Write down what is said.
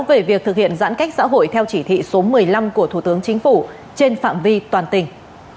về việc thực hiện giãn cách xã hội theo chỉ thị số một mươi năm của thủ tướng chính phủ trên phạm vi toàn tỉnh